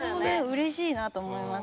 うれしいなと思います。